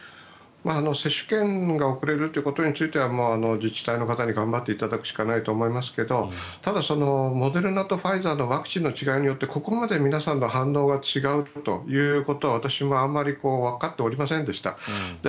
接種券が遅れることについては自治体の方に頑張っていただくしかないですがただ、モデルナとファイザーのワクチンの違いによってここまで皆さんの反応が違うということは、私はあまりわかっておりませんでした。